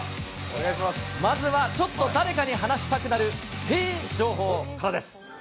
まずはちょっと誰かに話したくなる、へえ情報からです。